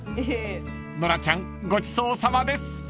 ［ノラちゃんごちそうさまです］